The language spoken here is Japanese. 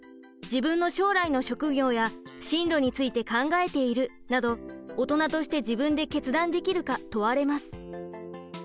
「自分の将来の職業や進路について考えている」などオトナとして自分で決断できるか問われます。